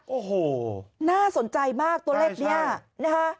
โอ้โหน่าสนใจมากตัวเลขนี้นะคะ